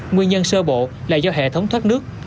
nguyên nhân sơ bộ là do hệ thống thoát nước